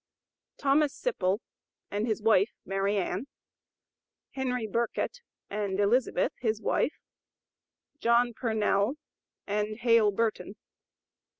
THOMAS SIPPLE, and his wife, MARY ANN, HENRY BURKETT, and ELIZABETH, his wife, JOHN PURNELL, and HALE BURTON.